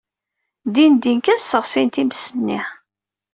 Dindin kan sseɣsin times-nni.